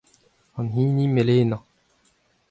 An hini melenañ.